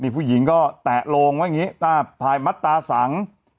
ผู้หญิงก็แตะโรงถ่ายมัดตาสัง